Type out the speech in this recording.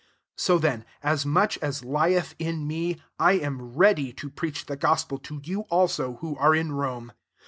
15 So then, as much as lieth in me, I am ^eady to preach the gospel to you also who are in Rome.